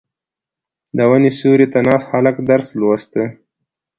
• د ونې سیوري ته ناست هلک درس لوسته.